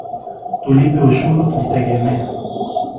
Tulipe ushuru tujitegemee